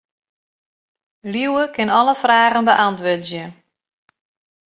Liuwe kin alle fragen beäntwurdzje.